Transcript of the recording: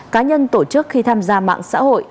cá nhân tổ chức khi tham gia mạng xã hội